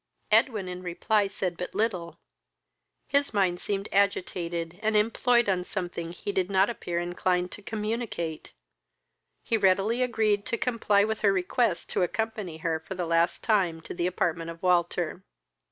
Edwin in reply said but little; his mind seemed agitated and employed on something he did not appear inclined to communicate. He readily agreed to comply with her request to accompany her for the last time to the apartment of Walter.